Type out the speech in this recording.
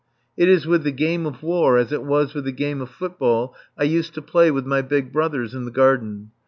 It is with the game of war as it was with the game of football I used to play with my big brothers in the garden.